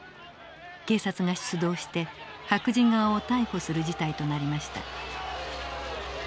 警察が出動して白人側を逮捕する事態となりました。